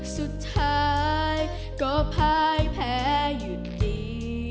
สุดท้ายก็พายแพ้หยุดดี